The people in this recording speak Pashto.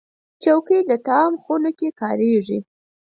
چوکۍ د طعام خونو کې کارېږي.